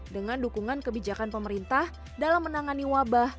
dengan dukungan kebijakan pemerintah dalam menangani wabah